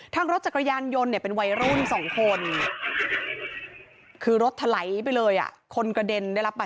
ทางรถจักรยานยนต์เนี่ยเป็นวัยรุ่นสองคนคือรถถลายไปเลยอ่ะคนกระเด็นได้รับบาดเจ็บ